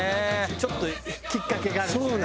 ちょっときっかけがあるとね。